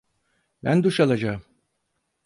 Ben duş alacağım.